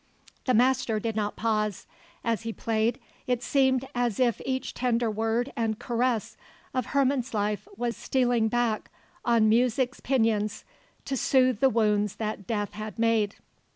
The Master did not pause; as he played, it seemed as if each tender word and caress of Herman's life was stealing back on music's pinions to soothe the wounds that death had made.